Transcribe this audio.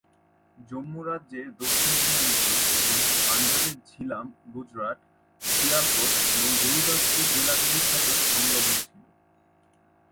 জম্মু রাজ্যের দক্ষিণতম অঞ্চল এবং পাঞ্জাবের ঝিলাম গুজরাট, শিয়ালকোট এবং গুরুদাসপুর জেলাগুলির সাথে সংলগ্ন ছিল।